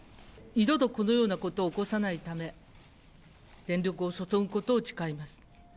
二度とこのようなことを起こさないため、全力を注ぐことを誓います。